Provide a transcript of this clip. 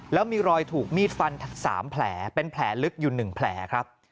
แล้วมีรอยถูกมีดฟัน๓แผลเป็นแผลลึกอยู่๑แผลครับ